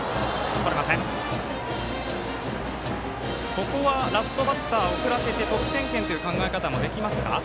ここはラストバッター送らせて得点圏という考え方もできますか？